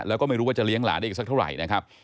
แล้วก็ไม่รู้ว่าจะเลี้ยงหลานได้อีกสักเท่าไหร่นะครับ